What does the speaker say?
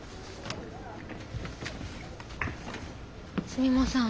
すみません